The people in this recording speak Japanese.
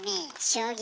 将棋？